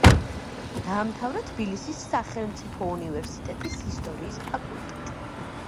დაამთავრა თბილისის სახელმწიფო უნივერსიტეტის ისტორიის ფაკულტეტი.